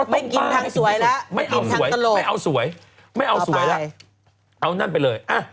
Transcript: ไม่กินทางสวยล่ะกินทางตะลุกไม่เอาสวยเอานั่นไปเลย